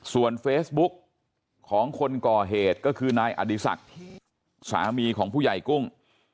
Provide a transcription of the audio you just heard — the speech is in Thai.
ส่วนเฟซบุ๊กของคนก่อเหตุก็คือนายอดีศักดิ์สามีของผู้ใหญ่กุ้ง